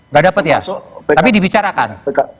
nggak dapat ya tapi dibicarakan